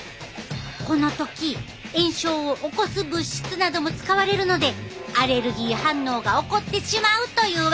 この時炎症を起こす物質なども使われるのでアレルギー反応が起こってしまうというわけや。